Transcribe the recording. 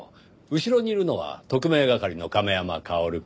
後ろにいるのは特命係の亀山薫くん。